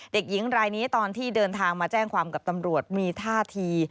เด็กหญิงรายนี้ตอนที่เดินทางมาแจ้งความกับตำรวจมีท่าที